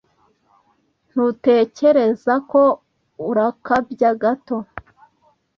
Ntutekereza ko urakabya gato?